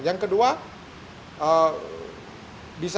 yang kedua bisa